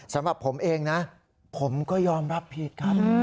สำหรับผมเองนะผมก็ยอมรับผิดครับ